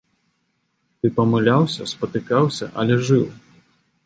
Ты памыляўся, спатыкаўся, але жыў!